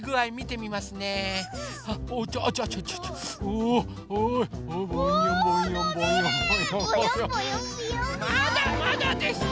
まだまだでした。